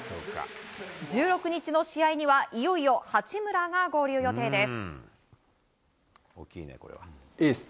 １６日の試合にはいよいよ八村が合流予定です。